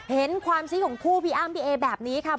เห็นความซีของคู่พี่อ้ำพี่เอแบบนี้ค่ะ